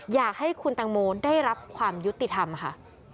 อยากให้คุณตังโมได้รับความยุติธรรมค่ะ